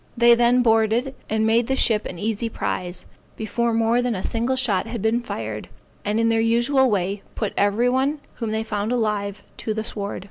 They then boarded, and made the ship an easy prize, before more than a single shot had been fired, and in their usual way, put every one whom they found alive to the sword.